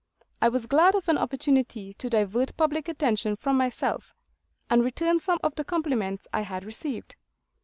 I was glad of an opportunity to divert public attention from myself, and return some of the compliments I had received.